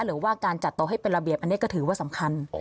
หรือว่าการจัดโต๊ะให้เป็นระเบียบอันนี้ก็ถือว่าสำคัญ